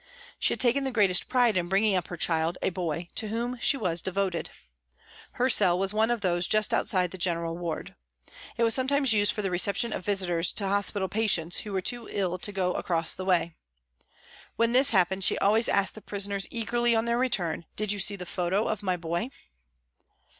She had taken the greatest pride in bringing up her child, a boy, to whom she was devoted. Her cell was one of those just outside the general ward. It was sometimes used for the reception of visitors to hospital patients who were too ill to go across the way. When this happened she always asked the prisoners eagerly on their return, " Did you see the photo of my boy